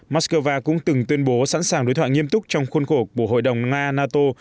mắc cơ va cũng từng tuyên bố sẵn sàng đối thoại nghiêm túc trong khuôn khổ của hội đồng nga nato